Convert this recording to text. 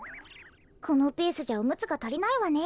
このペースじゃおむつがたりないわね。